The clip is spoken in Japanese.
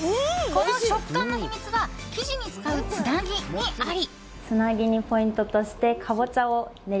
この食感の秘密は生地に使うつなぎにあり。